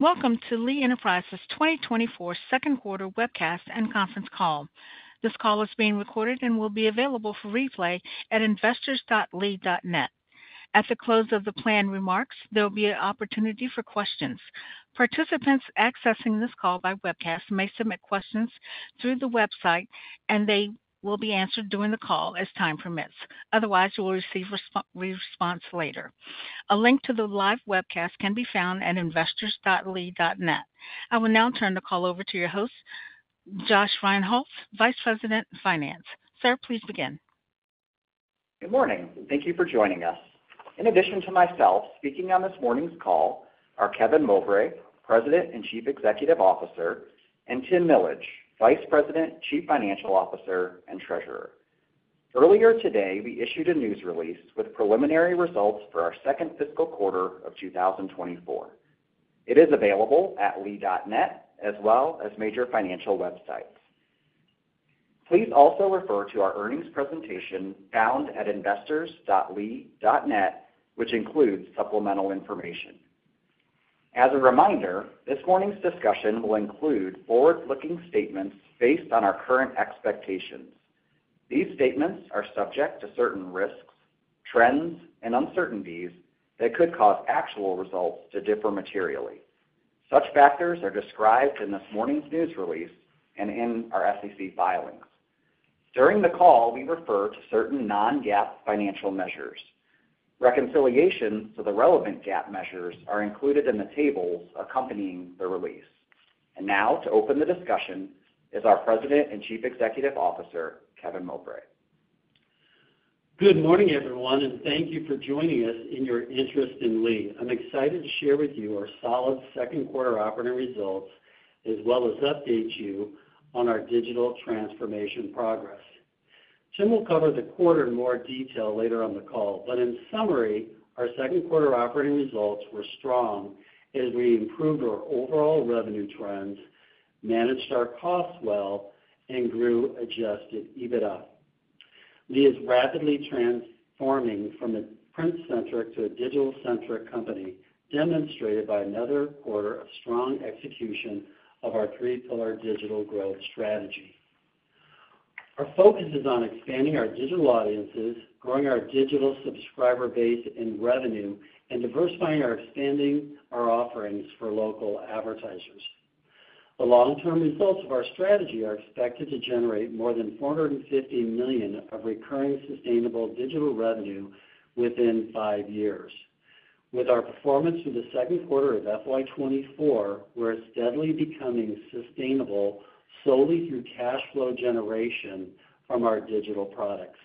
Welcome to Lee Enterprises' 2024 second quarter webcast and conference call. This call is being recorded and will be available for replay at investors.lee.net. At the close of the planned remarks, there will be an opportunity for questions. Participants accessing this call by webcast may submit questions through the website, and they will be answered during the call as time permits. Otherwise, you will receive response later. A link to the live webcast can be found at investors.lee.net. I will now turn the call over to your host, Josh Raich, Vice President of Finance. Sir, please begin. Good morning. Thank you for joining us. In addition to myself, speaking on this morning's call are Kevin Mowbray, President and Chief Executive Officer, and Tim Millage, Vice President, Chief Financial Officer, and Treasurer. Earlier today, we issued a news release with preliminary results for our second fiscal quarter of 2024. It is available at lee.net as well as major financial websites. Please also refer to our earnings presentation found at investors.lee.net, which includes supplemental information. As a reminder, this morning's discussion will include forward-looking statements based on our current expectations. These statements are subject to certain risks, trends, and uncertainties that could cause actual results to differ materially. Such factors are described in this morning's news release and in our SEC filings. During the call, we refer to certain non-GAAP financial measures. Reconciliations to the relevant GAAP measures are included in the tables accompanying the release. Now to open the discussion is our President and Chief Executive Officer, Kevin Mowbray. Good morning, everyone, and thank you for joining us in your interest in Lee. I'm excited to share with you our solid second quarter operating results, as well as update you on our digital transformation progress. Tim will cover the quarter in more detail later on the call, but in summary, our second quarter operating results were strong as we improved our overall revenue trends, managed our costs well, and grew Adjusted EBITDA. Lee is rapidly transforming from a print-centric to a digital-centric company, demonstrated by another quarter of strong execution of our Three-Pillar Digital Growth Strategy. Our focus is on expanding our digital audiences, growing our digital subscriber base and revenue, and diversifying our expanding our offerings for local advertisers. The long-term results of our strategy are expected to generate more than $450 million of recurring, sustainable digital revenue within five years. With our performance through the second quarter of FY 2024, we're steadily becoming sustainable solely through cash flow generation from our digital products.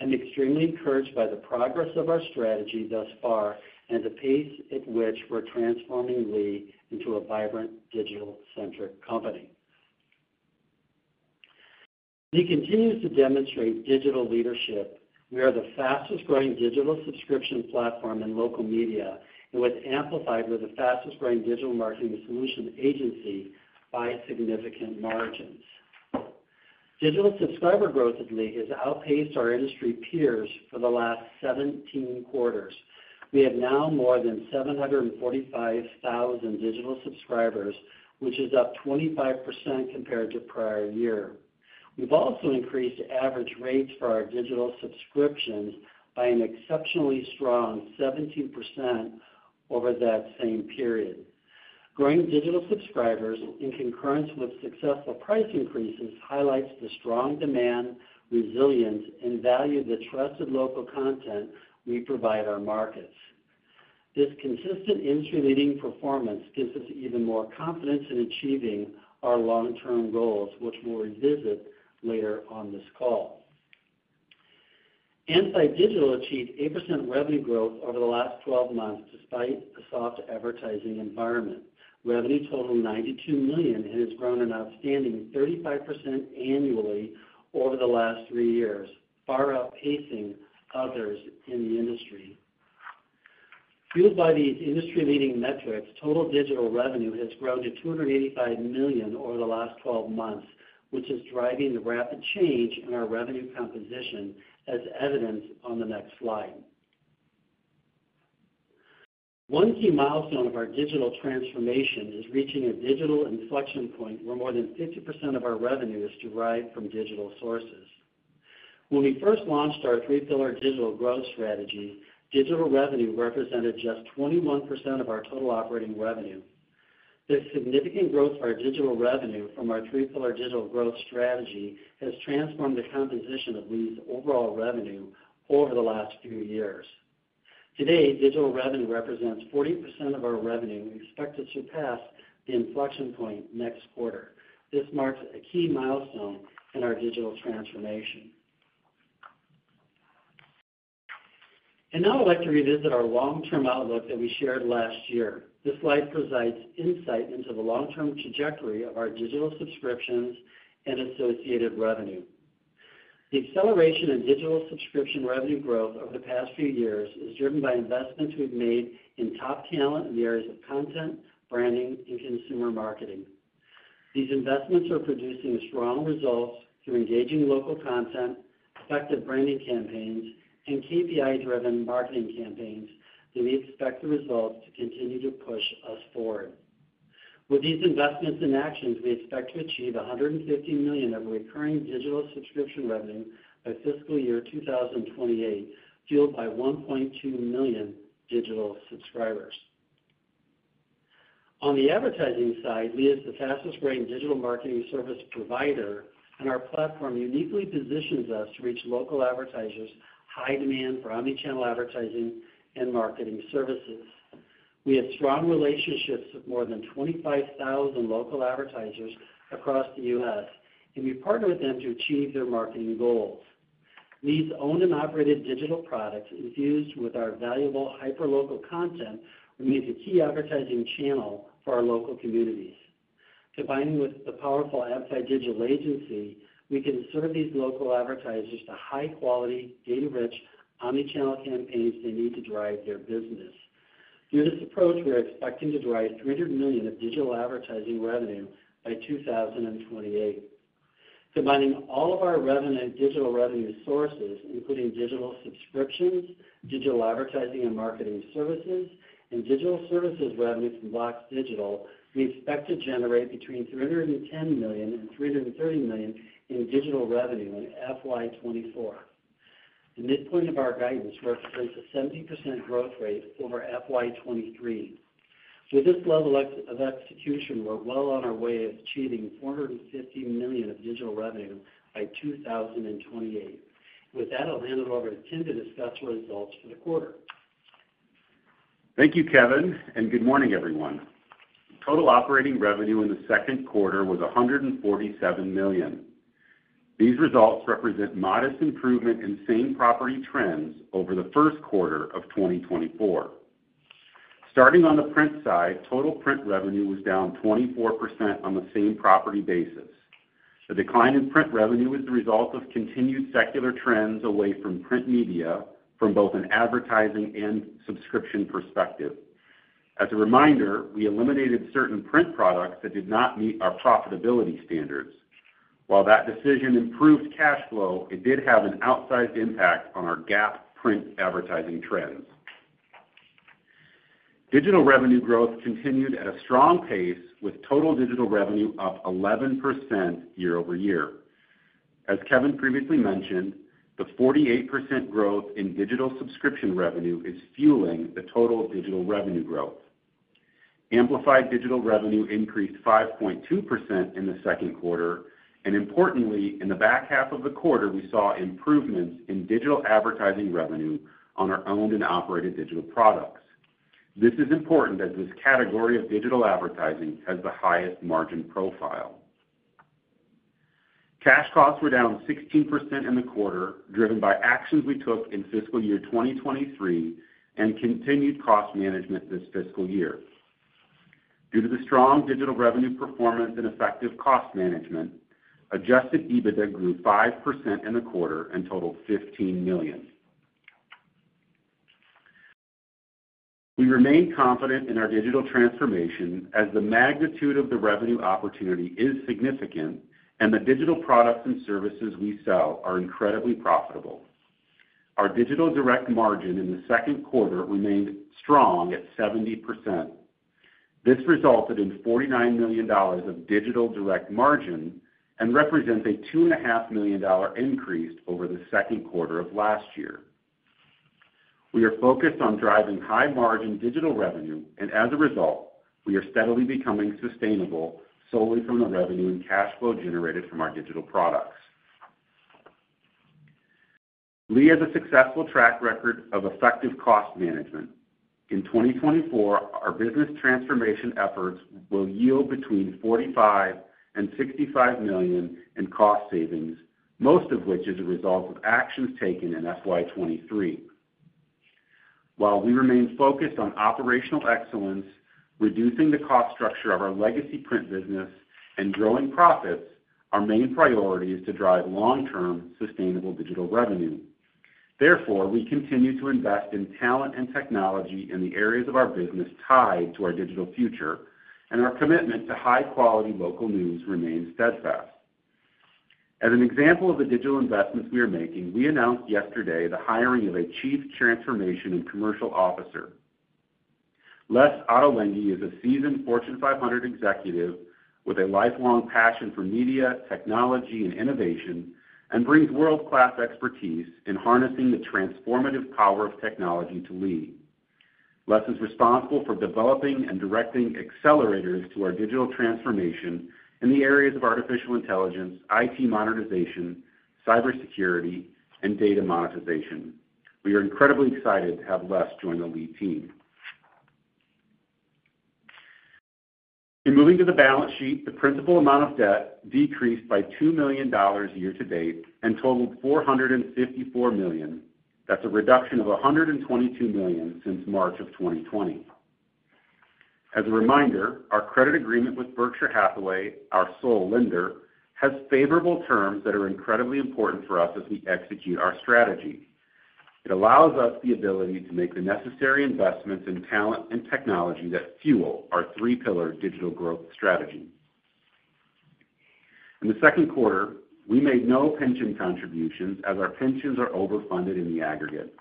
I'm extremely encouraged by the progress of our strategy thus far and the pace at which we're transforming Lee into a vibrant, digital-centric company. Lee continues to demonstrate digital leadership. We are the fastest-growing digital subscription platform in local media, and with Amplified, we're the fastest-growing digital marketing solution agency by significant margins. Digital subscriber growth at Lee has outpaced our industry peers for the last 17 quarters. We have now more than 745,000 digital subscribers, which is up 25% compared to prior year. We've also increased average rates for our digital subscriptions by an exceptionally strong 17% over that same period. Growing digital subscribers in concurrence with successful price increases highlights the strong demand, resilience, and value of the trusted local content we provide our markets. This consistent industry-leading performance gives us even more confidence in achieving our long-term goals, which we'll revisit later on this call. Amplified Digital achieved 8% revenue growth over the last 12 months, despite a soft advertising environment. Revenue totaled $92 million and has grown an outstanding 35% annually over the last three years, far outpacing others in the industry. Fueled by these industry-leading metrics, total digital revenue has grown to $285 million over the last 12 months, which is driving the rapid change in our revenue composition, as evidenced on the next slide. One key milestone of our digital transformation is reaching a digital inflection point where more than 50% of our revenue is derived from digital sources. When we first launched our Three-Pillar Digital Growth Strategy, digital revenue represented just 21% of our total operating revenue. This significant growth of our digital revenue from our Three-Pillar Digital Growth Strategy has transformed the composition of Lee's overall revenue over the last few years. Today, digital revenue represents 40% of our revenue. We expect to surpass the inflection point next quarter. This marks a key milestone in our digital transformation. Now I'd like to revisit our long-term outlook that we shared last year. This slide provides insight into the long-term trajectory of our digital subscriptions and associated revenue. The acceleration in digital subscription revenue growth over the past few years is driven by investments we've made in top talent in the areas of content, branding, and consumer marketing.... These investments are producing strong results through engaging local content, effective branding campaigns, and KPI-driven marketing campaigns, and we expect the results to continue to push us forward. With these investments and actions, we expect to achieve $150 million of recurring digital subscription revenue by fiscal year 2028, fueled by 1.2 million digital subscribers. On the advertising side, Lee is the fastest-growing digital marketing service provider, and our platform uniquely positions us to reach local advertisers' high demand for omni-channel advertising and marketing services. We have strong relationships with more than 25,000 local advertisers across the U.S., and we partner with them to achieve their marketing goals. Lee's owned and operated digital products, infused with our valuable hyperlocal content, remain the key advertising channel for our local communities. Combining with the powerful Amplified Digital agency, we can serve these local advertisers to high-quality, data-rich, omni-channel campaigns they need to drive their business. Through this approach, we're expecting to drive $300 million of digital advertising revenue by 2028. Combining all of our revenue and digital revenue sources, including digital subscriptions, digital advertising and marketing services, and digital services revenue from BLOX Digital, we expect to generate between $310 million and $330 million in digital revenue in FY 2024. The midpoint of our guidance represents a 70% growth rate over FY 2023. So with this level of execution, we're well on our way of achieving $450 million of digital revenue by 2028. With that, I'll hand it over to Tim to discuss the results for the quarter. Thank you, Kevin, and good morning, everyone. Total operating revenue in the second quarter was $147 million. These results represent modest improvement in same-property trends over the first quarter of 2024. Starting on the print side, total print revenue was down 24% on the same-property basis. The decline in print revenue is the result of continued secular trends away from print media from both an advertising and subscription perspective. As a reminder, we eliminated certain print products that did not meet our profitability standards. While that decision improved cash flow, it did have an outsized impact on our GAAP print advertising trends. Digital revenue growth continued at a strong pace, with total digital revenue up 11% year-over-year. As Kevin previously mentioned, the 48% growth in digital subscription revenue is fueling the total digital revenue growth. Amplified Digital revenue increased 5.2% in the second quarter, and importantly, in the back half of the quarter, we saw improvements in digital advertising revenue on our owned and operated digital products. This is important, as this category of digital advertising has the highest margin profile. Cash costs were down 16% in the quarter, driven by actions we took in fiscal year 2023 and continued cost management this fiscal year. Due to the strong digital revenue performance and effective cost management, Adjusted EBITDA grew 5% in the quarter and totaled $15 million. We remain confident in our digital transformation, as the magnitude of the revenue opportunity is significant, and the digital products and services we sell are incredibly profitable. Our Digital Direct Margin in the second quarter remained strong at 70%. This resulted in $49 million of Digital Direct Margin and represents a $2.5 million increase over the second quarter of last year. We are focused on driving high-margin digital revenue, and as a result, we are steadily becoming sustainable solely from the revenue and cash flow generated from our digital products. Lee has a successful track record of effective cost management. In 2024, our business transformation efforts will yield between $45 million and $65 million in cost savings, most of which is a result of actions taken in FY 2023. While we remain focused on operational excellence, reducing the cost structure of our legacy print business, and growing profits, our main priority is to drive long-term, sustainable digital revenue. Therefore, we continue to invest in talent and technology in the areas of our business tied to our digital future, and our commitment to high-quality local news remains steadfast. As an example of the digital investments we are making, we announced yesterday the hiring of a Chief Transformation and Commercial Officer. Les Ottolenghi is a seasoned Fortune 500 executive with a lifelong passion for media, technology, and innovation, and brings world-class expertise in harnessing the transformative power of technology to Lee. Les is responsible for developing and directing accelerators to our digital transformation in the areas of artificial intelligence, IT modernization, cybersecurity, and data monetization. We are incredibly excited to have Les join the Lee team. In moving to the balance sheet, the principal amount of debt decreased by $2 million year-to-date and totaled $454 million. That's a reduction of $122 million since March of 2020. As a reminder, our credit agreement with Berkshire Hathaway, our sole lender, has favorable terms that are incredibly important for us as we execute our strategy. It allows us the ability to make the necessary investments in talent and technology that fuel our Three-Pillar Digital Growth Strategy. In the second quarter, we made no pension contributions, as our pensions are overfunded in the aggregate.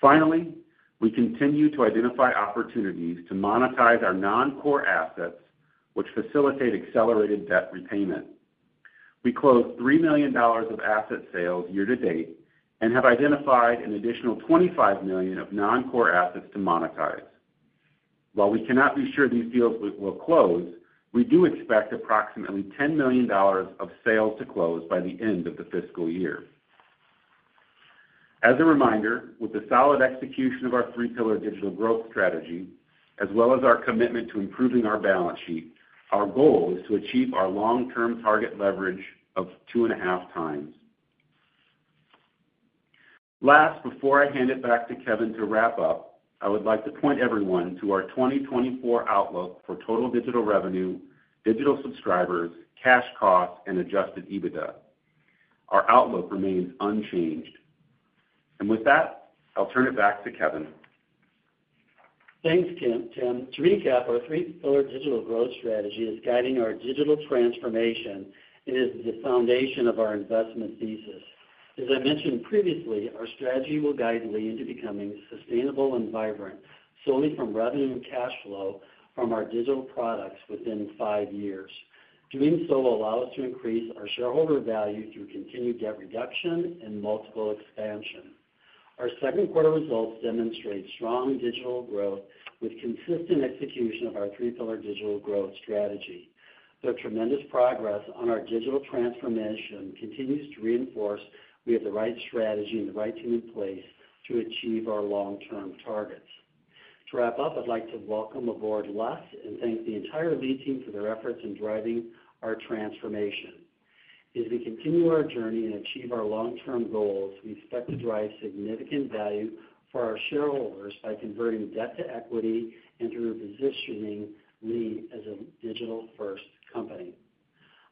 Finally, we continue to identify opportunities to monetize our non-core assets, which facilitate accelerated debt repayment. We closed $3 million of asset sales year-to-date and have identified an additional $25 million of non-core assets to monetize. While we cannot be sure these deals will close, we do expect approximately $10 million of sales to close by the end of the fiscal year. As a reminder, with the solid execution of our Three-Pillar Digital Growth Strategy, as well as our commitment to improving our balance sheet, our goal is to achieve our long-term target leverage of 2.5x. Last, before I hand it back to Kevin to wrap up, I would like to point everyone to our 2024 outlook for total digital revenue, digital subscribers, cash costs, and Adjusted EBITDA. Our outlook remains unchanged. With that, I'll turn it back to Kevin. Thanks, Tim, Tim. To recap, our three-pillar digital growth strategy is guiding our digital transformation and is the foundation of our investment thesis. As I mentioned previously, our strategy will guide Lee into becoming sustainable and vibrant, solely from revenue and cash flow from our digital products within five years. Doing so will allow us to increase our shareholder value through continued debt reduction and multiple expansion. Our second quarter results demonstrate strong digital growth with consistent execution of our three-pillar digital growth strategy. The tremendous progress on our digital transformation continues to reinforce we have the right strategy and the right team in place to achieve our long-term targets. To wrap up, I'd like to welcome aboard Les, and thank the entire Lee team for their efforts in driving our transformation. As we continue our journey and achieve our long-term goals, we expect to drive significant value for our shareholders by converting debt to equity and through positioning Lee as a digital-first company.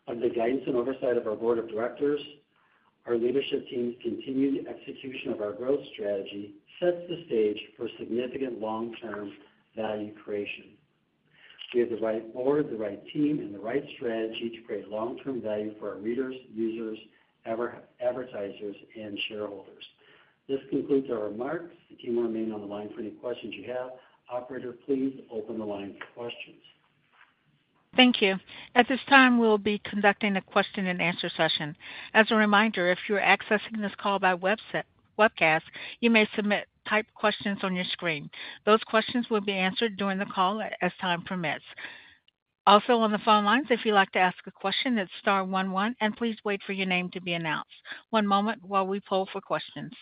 Under the guidance and oversight of our board of directors, our leadership team's continued execution of our growth strategy sets the stage for significant long-term value creation. We have the right board, the right team, and the right strategy to create long-term value for our readers, users, advertisers, and shareholders. This concludes our remarks. The team will remain on the line for any questions you have. Operator, please open the line for questions. Thank you. At this time, we'll be conducting a question-and-answer session. As a reminder, if you're accessing this call by webcast, you may submit typed questions on your screen. Those questions will be answered during the call as time permits. Also, on the phone lines, if you'd like to ask a question, it's star one one, and please wait for your name to be announced. One moment while we poll for questions.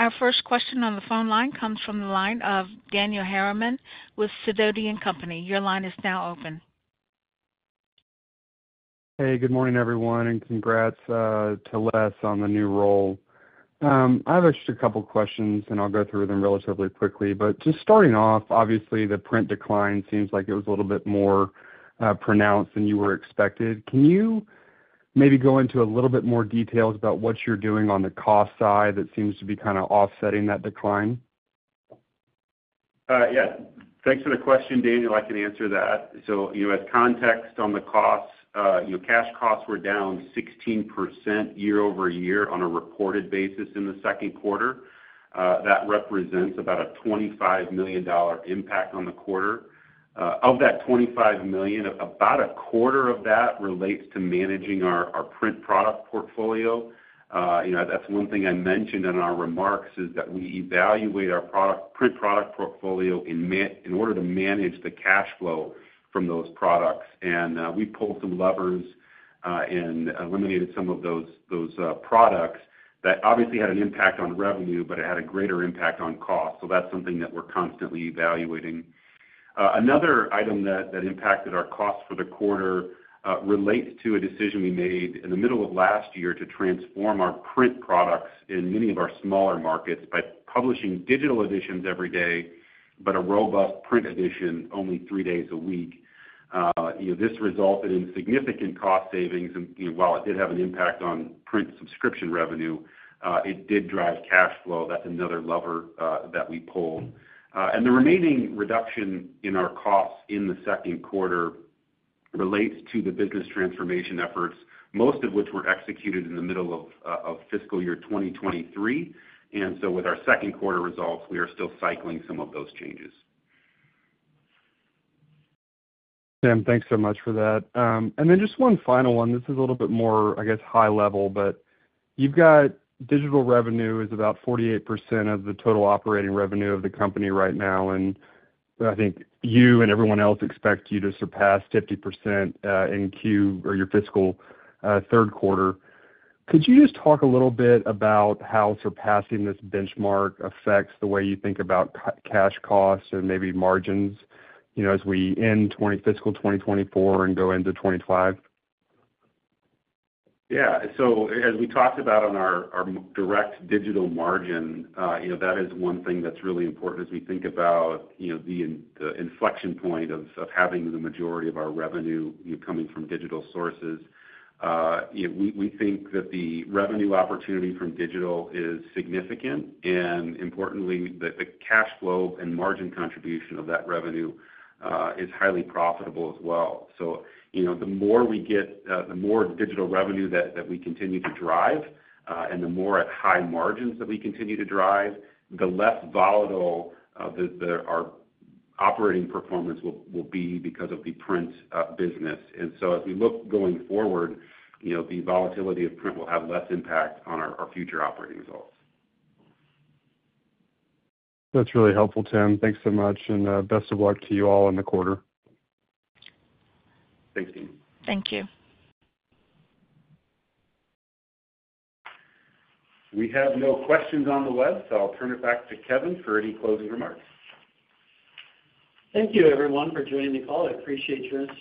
Our first question on the phone line comes from the line of Daniel Herrmann with Sidoti & Company. Your line is now open. Hey, good morning, everyone, and congrats to Les on the new role. I have just a couple questions, and I'll go through them relatively quickly. But just starting off, obviously, the print decline seems like it was a little bit more pronounced than you were expected. Can you maybe go into a little bit more details about what you're doing on the cost side that seems to be kinda offsetting that decline? Yeah. Thanks for the question, Daniel. I can answer that. So, you know, as context on the costs, you know, cash costs were down 16% year-over-year on a reported basis in the second quarter. That represents about a $25 million impact on the quarter. Of that $25 million, about a quarter of that relates to managing our print product portfolio. You know, that's one thing I mentioned in our remarks, is that we evaluate our print product portfolio in order to manage the cash flow from those products. And, we pulled some levers, and eliminated some of those products that obviously had an impact on revenue, but it had a greater impact on cost. So that's something that we're constantly evaluating. Another item that, that impacted our costs for the quarter relates to a decision we made in the middle of last year to transform our print products in many of our smaller markets by publishing digital editions every day, but a robust print edition only three days a week. You know, this resulted in significant cost savings, and, you know, while it did have an impact on print subscription revenue, it did drive cash flow. That's another lever that we pulled. And the remaining reduction in our costs in the second quarter relates to the business transformation efforts, most of which were executed in the middle of fiscal year 2023. And so with our second quarter results, we are still cycling some of those changes. Tim, thanks so much for that. And then just one final one. This is a little bit more, I guess, high level, but you've got digital revenue is about 48% of the total operating revenue of the company right now, and I think you and everyone else expect you to surpass 50%, in Q3 or your fiscal third quarter. Could you just talk a little bit about how surpassing this benchmark affects the way you think about cash costs and maybe margins, you know, as we end fiscal 2024 and go into 2025? Yeah. So as we talked about on our direct digital margin, you know, that is one thing that's really important as we think about, you know, the inflection point of having the majority of our revenue, you know, coming from digital sources. You know, we think that the revenue opportunity from digital is significant, and importantly, that the cash flow and margin contribution of that revenue is highly profitable as well. So, you know, the more digital revenue that we continue to drive, and the more high margins that we continue to drive, the less volatile our operating performance will be because of the print business. And so as we look going forward, you know, the volatility of print will have less impact on our future operating results. That's really helpful, Tim. Thanks so much, and best of luck to you all in the quarter. Thank you. Thank you. We have no questions on the web, so I'll turn it back to Kevin for any closing remarks. Thank you, everyone, for joining the call. I appreciate your interest-